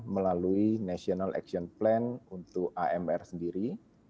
melalui national action plan untuk amr sendiri tahun dua ribu dua puluh sampai dua ribu dua puluh empat